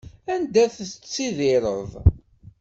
Anda tettttidiṛeḍ?